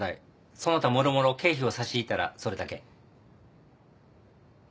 その他もろもろ経費を差し引いたらそれだけ。